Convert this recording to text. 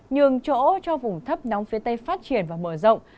nhường chỗ cho vùng thấp nóng phía tây phát triển và mở rộng